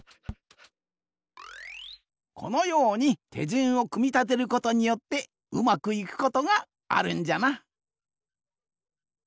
このようにてじゅんをくみたてることによってうまくいくことがあるんじゃな。